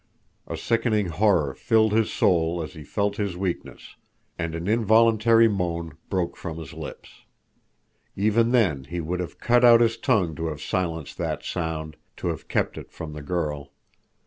A sickening horror filled his soul as he felt his weakness, and an involuntary moan broke from his lips. Even then he would have cut out his tongue to have silenced that sound, to have kept it from the girl.